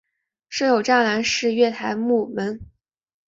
设有栅栏式月台幕门。